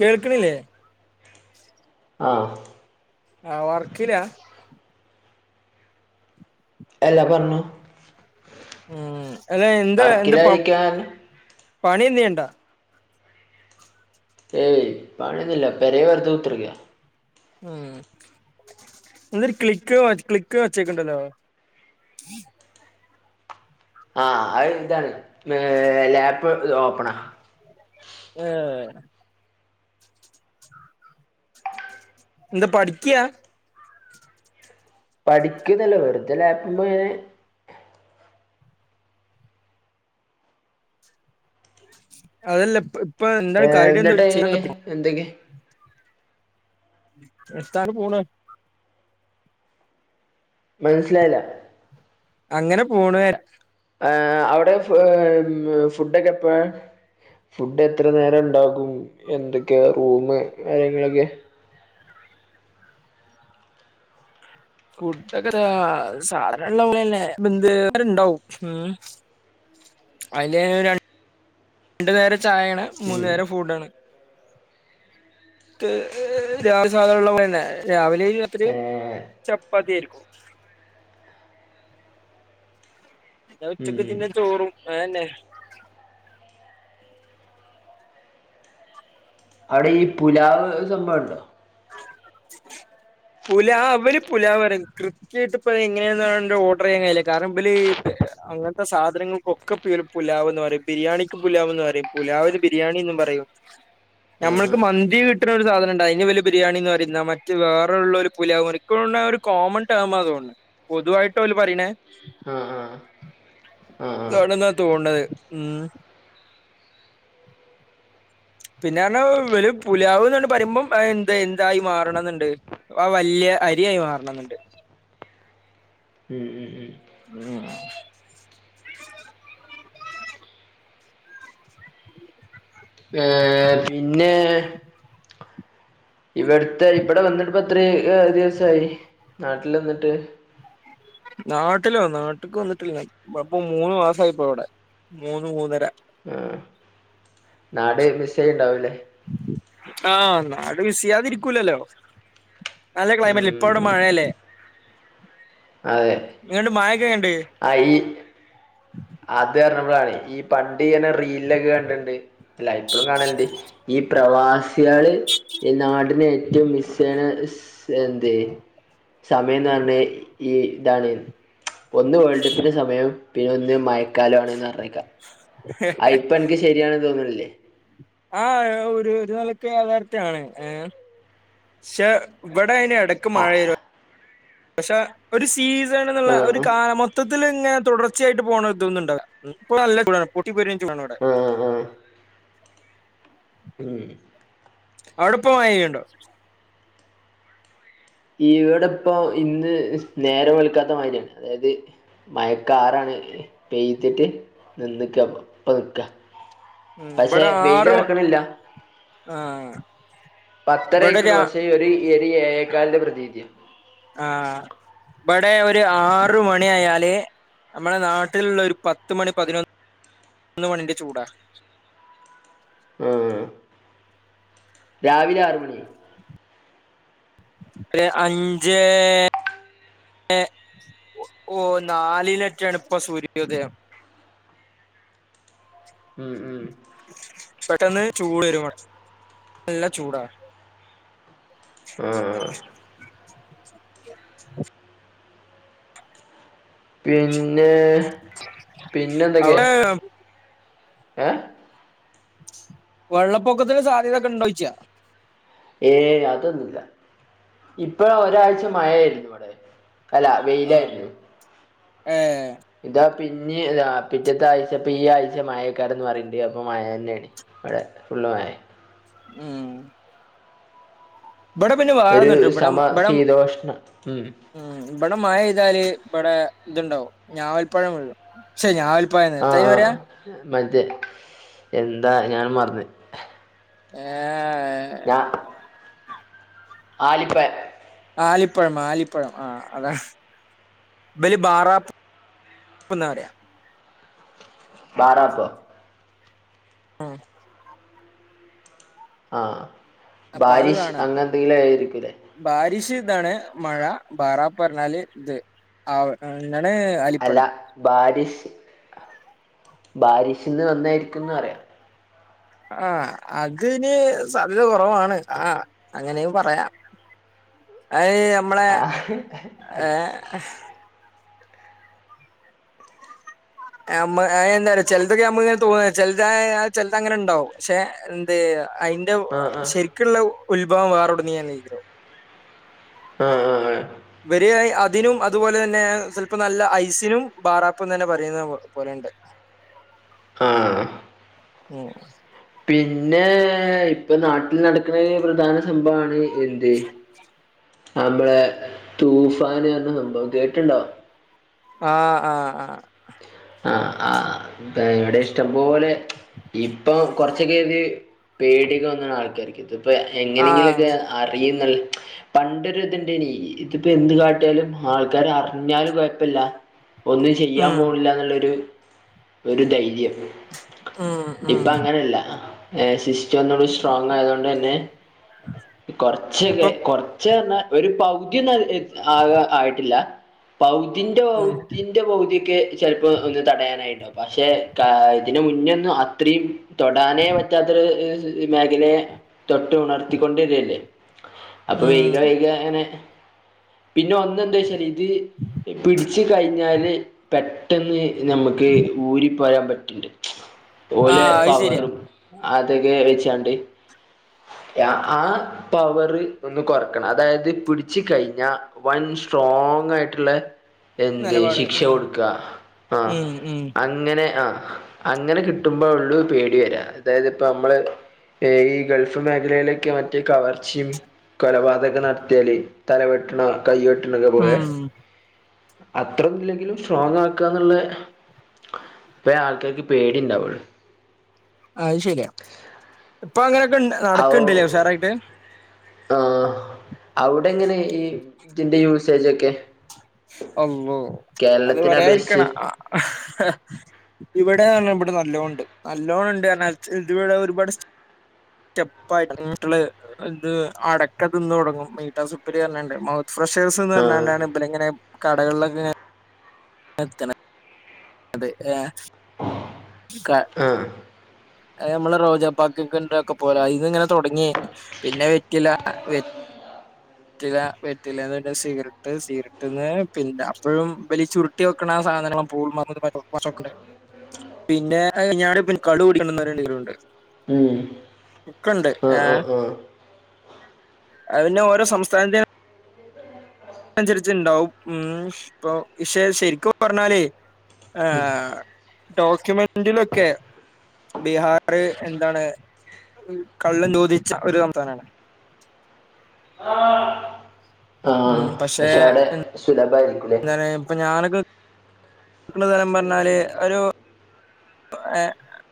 കേൾക്കണില്ലേ? ആഹ് ആഹ് വർക്കിലാ? അല്ല പറഞ്ഞോ ഉം അല്ല എന്താ എന്താ പ വർക്കിലായിരിക്കാൻ പണി എന്തെലും ചെയ്യണ്ടാ? ഏയ് പണിയൊന്നൂല്ല പെരേ വെറുതെ കുത്തിരിക്ക. ഉം എന്തൊരു ക്ലിക്ക് ക്ലിക്ക് ഒച്ചേക്കണ്ടല്ലോ ആഹ് അത് ഇതാണ്. ഏഹ് ലാപ്പ് ഓപ്പണാ [unintelligible] അതെ എന്താ പഠിക്ക്യാ പഠിക്കുന്നല്ലേ വെറുതെ ലാപുംമേങ്ങനെ അതല്ല ഇപ്പൊ എന്താണ് കാര്യയായിട് എന്തേലു ചെയ്യാ എന്തെങ്കി ഇഫ്ത്താണ് പൂണ് മനസ്സിലായില്ല അങ്ങനെ പോണ് ഏഹ് അവിടെ ഉഹ്മ് ഫുഡൊക്കെ എപ്പോഴാ ഫുഡ് എത്ര നേരം ഉണ്ടാകും എന്തൊക്കെയാ റൂമ് കാര്യങ്ങളൊക്കെ ഫുഡൊക്കെരയാ സാധനല്ലോ നല്ലെനെ [unintelligible] ഉം അയിലെ രണ്ടു നേരം ചായയാണ് മൂന്നു ഉം നേരം ഫുഡാണ് രാ സാധാരണ ഉള്ളപോലെനെ രാവിലെ രാത്രിയും ഏഹ് ചപ്പാത്തി ആയിരിക്കും പിന്നെ ഉം ഉം ഉച്ചക്കുചിന്ന ചോറും അതെന്നെ അവിടെ ഈ പുലാവ് സംഭവുണ്ടോ പുല അവല് പുല പറിനെ ക്ര കേട്ടപ്പ അത് എങ്ങനെയ ഓർഡർ ചെയ്യാൻ കഴയില്ല കാരണം ഇബല് അങ്ങനത്തെ സാധനങ്ങൾക്കൊക്കെ പേ പുലാവ് എന്ന് പറയും ബിരിയാണിക്ക് പുലാവ്ന്ന് പറയും പുലാവ് ബിരിയാണിന്നു പറയും നമ്മക് ആഹ് മന്തി കിട്ടണ ഒരു സാധനം ഉണ്ട് അയിനാ ഇവർ ബിരിയാണി എന്ന് പറയുന്ന മറ്റ് വേറെള്ളൊരു പുലാവ് പറയും എനിക്ക് തോനുന്നു അതാരു കോമണ് ടെർമ് തോനുന്നു പൊതുവായിട്ടോല് പറയണേ ആഹ് ആഹ് ആഹ് ആഹ് ആഹ് ആണെന്ന തോന്നുണത് ഉം പിന്നെറഞ്ഞ ഇവല് പുലാവ്ന്നണ്ടാ പറയുമ്പോം എന്തെ എന്തായി മാറണന്നുണ്ട് ആ വല്ല്യ അരിയായി മാറണന്നുണ്ട് ഉം ഉം ഉം [inaudible] ഏഹ് പിന്നെ ഇവിടുത്തെ ഇവിടെ വന്നിട്ട പ്പത്രരി ഏ ദിവസായി നാട്ടിൽ വന്നിട്ട് നാട്ടിലോ നാട്ടക്ക് വന്നിട്ടില്ല ഇപ്പ മൂന്ന് മാസയിപ്പോ ഇവിടെ മൂന്ന് മൂന്നര ഏഹ് നാട് മിസ്സായിണ്ടാവൂല്ലേ ആഹ് നാട് മിസ്സായാതിരിക്കൂല്ലലോ നല്ല ഉം ക്ലൈമറ്റ് ഇപ്പ ഉം അവിടെ ഉം മഴയല്ലേ അതെ ഇങ്ങണ്ട് മായക്കെ എങ്ങണ്ട് അയ് അത് പറഞ്ഞപ്പോളാണ് ഈ പണ്ടി ഇങ്ങനെ റീലക്കെ കണ്ടിണ്ട് അല്ല ഇപ്പോഴും കാണല്ണ്ട് ഈ പ്രവാസികള് ഈ നാട് ന് ഏറ്റവും മിസ്സയ്ണ എന്ത് സമയനണ ഈതണൻ ഒന്ന് വേൾഡ് കപ്പിന്റെ സമയം പിന്നെ ഒന്ന് മയക്കാല ആണന്ന് അറിഞ്ഞയിക്കാം. ആയി ഇപ്പൊനക്ക് ശരിയയാണെന്ന് തോന്നണില്ലേ. ആ ഒരു ഒരു നിലക്ക് യാഥാർത്ഥ്യാണ് ഏ പക്ഷെ ഇവിടെ അയ്ന് ഇടക്. മഴ ആഹ് പക്ഷ ഒരു സീസൺ എന്നുള്ള ഒരു ആഹ് കാല മൊത്തത്തി ഇങ്ങനെ തുടർ. കൊച്ചായിട്ട പോണ ഇതൊന്നണ്ടടെ. ഇപ്പ നല്ല ചൂടാണ് അവിടെ പൊട്ടി പൊരിഞ്ഞ ചൂടാണ് അവിടെ മ് മ് ഉം അവിടെ ഇപ്പോ മഴ പെയ്യുണ്ടോ ഇവിടെ ഇപ്പൊ ഇന്ന് നേരം വെളുക്കാത്ത മാതിരാണ് അതായത്. മയക്കാറാണ് പെയ്ത്തിട്ട് നിന്നക്ക ഇപ്പ നിൽക്ക. പക്ഷെ വെയില ഇറക്കിണില്ല. ആഹ പത്തരയക്കണു പക്ഷേ ഒരു ഒരു ഏഴേക്കാലിന്റെ പ്രതീതിയ. ആ് ഇവിടെ ഒരു ആറ മണി ആയാല് നമ്മള നാട്ടിലുള്ള ഒരു പത്ത് മണി പതിനൊന്ന് ഒന്ന മണിന്റെ ചൂടാ. ആ രാവിലെ ആറ് മണി ഒരു അഞ്ചേ ഏഹ ഓ നാലിലട്ടാണ് ഇപ്പ സൂര്യോദയം. ഉം ഉം പെട്ടെന്ന് ചൂട് വരും നല്ല ചൂടാ. ഉം പിന്നെ പിന്നെ എന്തൊക്കെയ അവിടെ ഏഹ. വെള്ളപ്പൊക്കത്തിന് സാധ്യതയൊക്കെ ഉണ്ടോച്ചാ. ഏയ് അതൊന്നുമില്ല ഇപ്പഴ ഒരാഴ്ച മഴയായിരുന്നു ഇവിടെ. അല്ല വെയിലായിരുന്നു. ആഹ ഇതാ പിന്നെ പിറ്റേത്തെ ആഴ്ചപ്പ ഈ ആഴ്ച മഴക്കാരന്ന് പറയണ്ട് അപ്പൊ മഴ തന്നെയാണ്. ഇവിടെ ഫുള്ള മഴ. ഉം ഇവിടെം പിന്നെ ഒരു വാറുന്നുണ്ട് ഇടം സമ ഇടം - ശീതോഷ്ണ ഉം ഇവിടെ മഴ ഇ്താല് ഇവിടെ ഇതുണ്ടാവും ഞാവൽപ്പഴം വിഴും. ഷെ ഞവാൽപായം ഏതാ അയിന് പറയാ - മതെ എന്താ ഞൻ മറന്ന് ഏ ഞാ ആലിപ്പഴം. ആലിപ്പുഴം ആലിപ്പുഴം ആ അതാണ്. ബല് ബാറാപ്പ് ന്നാ പറയാ. ബാറാപ്പ്. ആഹ ആഹ അപ്പൊ അത് ബാരിഷ് കാണാ അങ്ങനെന്തെങ്കിലും ആയിരിക്കുംല്ലേ. ബാരിഷ് ഇതാണ് മഴ ബാറാപ്പ് പറഞ്ഞാൽ ഇത് ആ എന്താണ്. അല്ല അലിപ്പഴം ബാരിഷ് ബാരിഷന്ന് വന്നായിരിക്കുംന്ന് പറയാം. ആഹ് അതിന് സല് കുറവാണ് ആ അങ്ങനെയും പറയാം അയി അമ്മളെ ആ ഏ. മ്മ എന്ത ചെിലത്തൊക്കെ നമ്മ ഇങ്ങനെ തോന്ന ചിലത് ചെിലത്ങ്ങനെണ്ടാവും പക്ഷെ. എന്ത് അതിന്റെ ആ ശരിക്കുള്ള ഉത്ഭവം വേറെടന്ന് ഞാൻ ചെയോ - ആഹ് ആഹ് വരി അതിനും അതുപോലെന്നെ ചെൽപ്പോ നല്ല ഐസിനും ബാറാപ്പ് ന്നന്നെ പറയ്ന്നെ പോലെണ്ട് ആഹ് ഉം പിന്നെ ഇപ്പൊ നാട്ടില് നടക്ക്ണെ പ്രധാന സംഭവാണ് എന്ത് നമ്മളെ തൂഫാന് എന്ന സംഭവം കേട്ട്ണ്ടോ ആഹ് ആഹ് ആഹ് ആഹ് ആഹ് ഇവടെ ഇഷ്ടംപോലെ ഇപ്പൊ കൊർച്ചെക്കേത് പേടി തോന്നണം ആൾക്കാര്ക്ക് ഇത്പ്പൊ ആഹ് ആഹ് എങ്ങനെങ്കിലൊക്കെ അറിയുന്ന്ള്ളെ പണ്ടൊര് ഇത്ണ്ടേനി ഇത്പ്പൊ എന്ത് കാട്ട്യാലും ആൾക്കാര് അറിഞ്ഞാല് കൊഴപ്പല്ല ഒന്നും ചെയ്യാൻ ഉം പോണില്ലാന്ന്ള്ളൊരു ഒരു ധൈര്യം ഉം ഉം ഇപ്പങ്ങനല്ല ഏ സി റ്റം ഒന്നുകൂടി സ്ട്രോങ്ങായതോണ്ടന്നെ കൊറച്ച് വെ ഇപ്പം കൊറച്ച് ന്ന ഒര് പകുതി ഒന്നും ആ ആയിട്ടില്ല പകുതിന്റെ ഉം പകുതി തിൻ്റെ പൗതിക്ക്‌ ചെൽപ്പോ ഒന്ന് തടയാനായിട്ടുണ്ടാവും പക്ഷെ ഇതിന് മുന്നൊന്നും അത്രീം തൊടാനേ പറ്റാത്തൊരു മേഖലയെ തൊട്ട് ഉണർത്തിക്കൊണ്ടിടല്ലേ അപ്പൊ ഉം വൈക വൈക അങ്ങനെ പിന്നെ ഒന്ന് എന്താച്ചാല് ഇത് പിട്ച്ച് കഴിഞ്ഞാല് പെ ട്ടെന്ന് ഞമ്മക്ക് ഊരി പോരാൻ പറ്റ്ണ്ട് ഓലെ ആഹ് അത് ശരിയാ പവറും അതൊക്കെ വെച്ചാണ്ട് ആഹ് പവറ് ഒന്ന് കൊറക്കണം അതായത് പിട്ച്ച് കഴിഞ്ഞാ വൻ സ്ട്രോങ്ങായിട്ട്ള്ള എന്ത് നിലപാട് ശിക്ഷ ഉം കൊട്ക്കാ ഉം ഉം അങ്ങനെ ആഹ് അങ്ങനെ കിട്ടുമ്പോ ഒള്ളൂ പേടി വെരാ അതായത് ഇപ്പോ അമ്മള് ഏഹ് ഈ ഗൾഫ് മേഖലയിലൊക്കെ മറ്റേ കവർച്ചിം കൊലപാതകം നടത്തിയാല് തലവെട്ട്ണ കയ്യ് വെട്ട്ണക്ക പോലെ ഉം അത്രൊന്നും ഇല്ലെങ്കിലും സ്ട്രോങ്ങാ ക്കാന്ന്ള്ളേ അപ്പഴെ ആൾക്കാര്ക്ക് പേടിണ്ടാവൊള്ളൂ അത് ശെരിയാ ഇപ്പങ്ങനൊക്കെ നടക്ക്ണ്ട്ല്ലേ ഉഷാറായിട്ട് ആഹ് അവ്ടെങ്ങനെ ഈ ഇതിന്റെ യൂസേജൊക്കെ അള്ളോഹ് അത് പറയാതിരിക്കണ അപേക്ഷിച്ച് ഇവടെന്ന ഇവടെ നല്ലോണ്ട് നല്ലോണം ഇണ്ട് അർഞ്ഞാ ഇത് ഇവടെ ഒര്പാട് സ്റ്റെപ്പായി തന്നിട്ട് ള്ള് ഇത് അടക്ക തിന്ന് തൊടങ്ങും മീറ്റാ സുപ്പരി അർഞ്ഞാണ്ട് മൗ ഫ്രഷേഴ്‌സ്ന്ന് ആഹ് പർഞ്ഞണ്ടാണ് ഇപല്ങ്ങനെ കടകൾലൊക്കെങ്ങനെ നിർത്തണെ അതെ ഏഹ് ക ആഹ് നമ്മളെ റോജാപ്പാക്ക്ക്കെണ്ടൊക്കെ പോലെ ഐന്ന്ങ്ങനെ തൊടങ്ങി പിന്നെ വെറ്റില വെ വെറ്റില വെറ്റിലേന്ന് പിന്നെ സിഗരട്ട് സീഗരറ്റ്ന്ന് പിന്നെ അപ്പഴും ഇബല് ചുരു ട്ടി വെക്ക്ണ ആ സാധനങ്ങളും [unintelligible] പിന്നെ ഞാരു കുപ്പി കള്ള് കുടിക്കണം ന്നറീണ്ടീവരും ഉണ്ട് ഉം ഒക്കണ്ട് ആഹ് ഏഹ് ആഹ് ആഹ് അത് പിന്നെ ഓരോ സംസ്ഥാനത്തിന് അന്സരിച്ച്ണ്ടാവും ഉം ഇപ്പോ ശെ ശെരിക്കും പർഞ്ഞാലേ ഉം ആഹ് ഡോക്യുമെന്റിലൊക്കെ ബീഹാറ് എന്താണ് കള്ള് നിരോധിച്ച ഒരു സംസ്ഥാനാണ് ഉം ആഹ് പക്ഷെ അവടെ സുലഭായിരിക്കൂലെ ഏഹ് ഇപ്പൊ ഞാനൊക്കെ [unintelligible] സ്ഥലം പർഞ്ഞാല് ഒരു [unintelligible]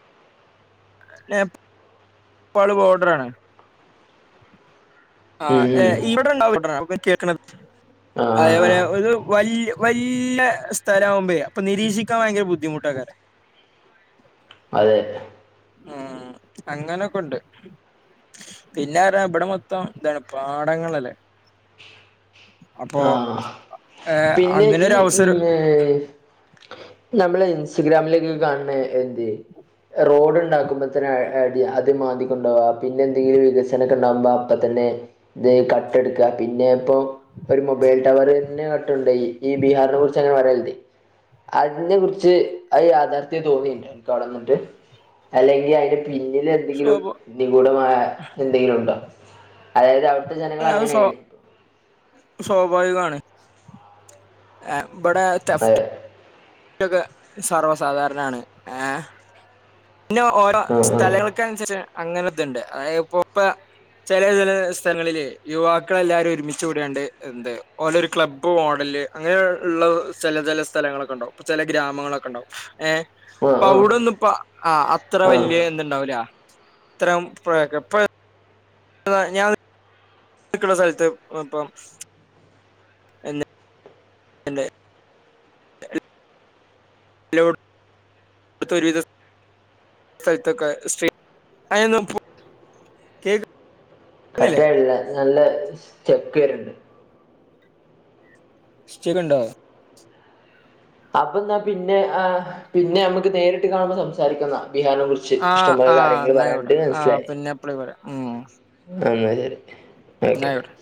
[unintelligible] പ്പാള് ബോർഡറാണ്. ഉം ആഹ് ഉം ഏഹ് ഇവിടെ ഇണ്ടാവും [unintelligible] [inaudible] കേക്കണത് ആഹ് അതേപോലെ ആഹ് ഒരു വൽ വല്യ സ്ഥലവുമ്പഴെ അപ്പൊ നിരീക്ഷിക്കാൻ ഭയങ്കര ബുദ്ധിമുട്ട് ട്ടാക്കാരെ [inaudible] അതെ ഉം, അങ്ങനൊക്കെ ഇണ്ട് പിന്നെ ആരാ ഇവിടെ മൊത് ത്തം ഇതാ പാടങ്ങളല്ലേ അപ്പൊ ആഹ് ഏഹ് പിന്നെ ഈ അങ്ങനൊരു അവസരം [unintelligible] നമ്മള് ഇൻസ്റ്റഗ്രാമിലൊക്കെ കാണണ എന്ത്യേ റോഡ് ഇണ്ടാക്കുമ്പോത്തന്നെ അടി അത് മാന്തി കൊണ്ടോവാ പിന്നെ എന്തെങ്കിലും വികസന ണ്ടാക്കുമ്പാ അപ്പ തന്നെ ഇത് കട്ട് എടുക്കാ പിന്നെ ഇപ്പോ ഒരു മൊബൈൽ ടവറെന്നെ ട്ടൊണ്ടോയി ഈ ബീഹാറിനെ കുറിച്ച് അങ്ങനെ പറയല്ണ്ട് അതിനെ കുറിച്ച് അത് യാഥാർത്ഥ്യ തോന്നിണ്ടോ ഇൻക്കവിടേ നിന്നിട്ട് അല്ലെങ്കി അതിന്റെ പിന്നില് ന്തെങ്കിലും സ്വാഭാ നിഗൂഢമായ എന്തെങ്കിലും ഉണ്ടോ അതായത് അവ് അത് അത് സ്വാ സ്വാഭാവികാണ് ആഹ് ഇബടെ [unintelligible] ക്കൊക്കെ സർവസാധാരണാണ് ഏഹ് പിന്നെ ഓരോ ആ സ്ഥലങ്ങൾക്കനുസരിച്ച് അങ്ങനെ ഇതുണ്ട് അതായത് [unintelligible] ചെലെ ചെലെ സ്ഥലങ്ങളില് യുവാക്കളെല്ലാരും ഒരുമിച്ചുകൂടിയാണ്ട് ട്ട്ണ്ട് ഓലൊരു ക്ലബ് മോഡല് അങ്ങനെ ഉള്ള ചെല ചെല സ്ഥലങ്ങളൊക്കെ ഇണ്ടാവും ചെലെ ഗ്രാമങ്ങളൊക്കെ ഇണ്ടാവും ഏഹ് ആ അപ്പൊ ആ അവടൊന്നും ആ ഇപ്പോ ആഹ് അത്ര ആ വല്യ എന്തുണ്ടാവൂലാ ഇത്രം [unintelligible] [unintelligible] ഞാ [unintelligible] റ്റക്ക്ള്ള സ്ഥലത്ത് ഇപ്പം. എന്ത് [unintelligible] [unintelligible] ഒരു വിധം സ് സ്ഥലത്തൊക്കെ [unintelligible] കേക്ക് [unintelligible] നല്ല സ്റ്റെക്ക് വെര്ണ്ട് സ്റ്റക്കുണ്ടോ അപ്പ ഇന്നാ പിന്നെ ആഹ് പിന്നെ നമ്മക്ക് നേരിട്ട് കാണുമ്പോ സംസാരിക്കാ [unintelligible] കുറിച്ച് ആഹ് ഇഷ്ട്ടംപോല ആഹ് കാര്യങ്ങള് എന്നായിക്കോട്ടെ പറയാണ്ട്ന്ന് ആഹ് മനസ്സിലായി പിന്നെ എപ്പളേലും പറയാം ഉം എന്നാ ശരി. ഓക്കെ ഇന്നായ്ക്കോട്ടെ